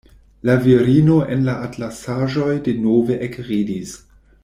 La virino en la atlasaĵoj denove ekridis.